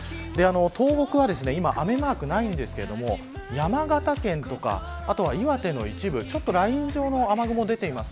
東北は今、雨マークないんですが山形県とか、岩手の一部でライン状の雨雲が出ています。